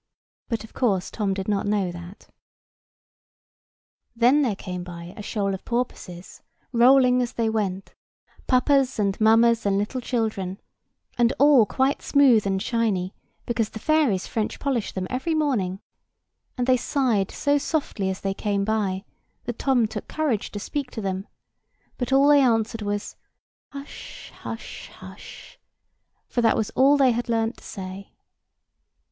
But of course Tom did not know that. Then there came by a shoal of porpoises, rolling as they went—papas, and mammas, and little children—and all quite smooth and shiny, because the fairies French polish them every morning; and they sighed so softly as they came by, that Tom took courage to speak to them: but all they answered was, "Hush, hush, hush;" for that was all they had learnt to say.